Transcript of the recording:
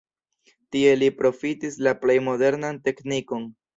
Tie li profitis la plej modernan teknikon.